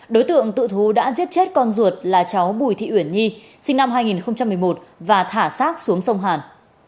đối tượng tự thú đã giết chết con ruột là cháu bùi thị uyển nhi sinh năm hai nghìn một mươi một và thả sát xuống sông hàn